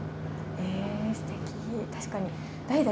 ええすてき。